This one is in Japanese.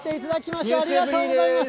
寒い中ありがとうございます。